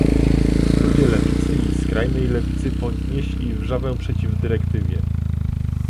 Ludzie lewicy i skrajnej lewicy podnieśli wrzawę przeciw dyrektywie